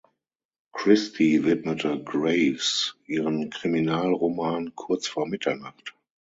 Christie widmete Graves ihren Kriminalroman Kurz vor Mitternacht.